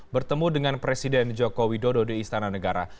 bertemu dengan presiden jokowi dodo di istana negara